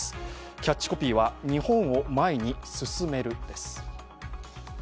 キャッチコピーは「日本を前に進める」です。